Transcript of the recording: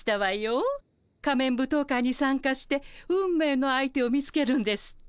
仮面舞踏会に参加して運命の相手を見つけるんですって？